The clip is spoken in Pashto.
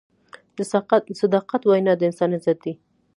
د صداقت وینا د انسان عزت دی.